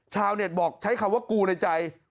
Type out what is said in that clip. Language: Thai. ชาวเน็ตบอกใช้คำว่ากูในใจ